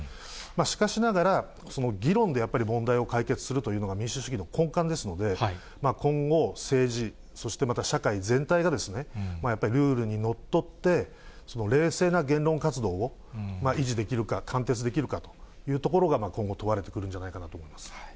しかしながら、議論でやっぱり問題を解決するというのが民主主義の根幹ですので、今後、政治そして社会全体が、やっぱりルールにのっとって、冷静な言論活動を維持できるか、貫徹できるかというところが、今後、問われてくるんじゃないかと思います。